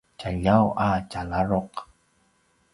djaljaw a tjaladruq